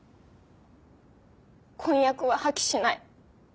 婚約は破棄しない。